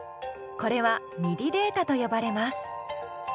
これはＭＩＤＩデータと呼ばれます。